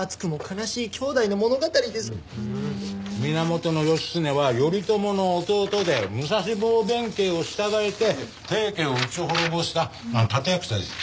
源義経は頼朝の弟で武蔵坊弁慶を従えて平家を討ち滅ぼした立役者です。